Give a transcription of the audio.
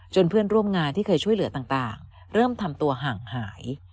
เพื่อนร่วมงานที่เคยช่วยเหลือต่างเริ่มทำตัวห่างหาย